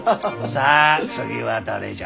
さあ次は誰じゃ？